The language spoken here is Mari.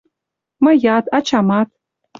— Мыят, ачамат...